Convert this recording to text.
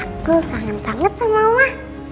aku kangen banget sama oma